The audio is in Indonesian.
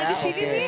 ada di sini nih